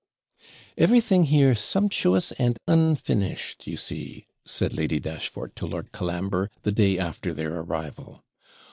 'Everything here sumptuous and unfinished, you see,' said Lady Dashfort to Lord Colambre, the day after their arrival.